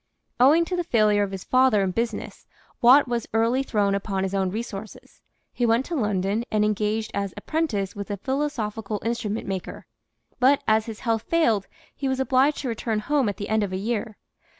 Owing to the failure of his father in business, Watt was early thrown upon his own resources. He went to London and engaged as apprentice with a philosophical instrument maker, but as his health failed he was obliged to return home at the end of a year.